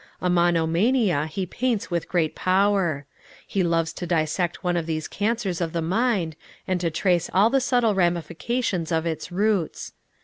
A monomania he paints with great power. He loves to dissect one of these cancers of the mind, and to trace all the subtle ramifications of its roots.